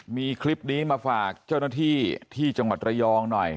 มีคลิปนี้มาฝากเจ้าหน้าที่ที่จังหวัดระยองหน่อย